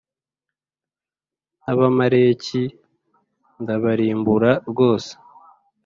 n Abamaleki ndabarimbura rwose